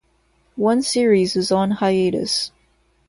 One series is on hiatus.